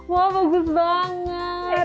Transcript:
wah bagus banget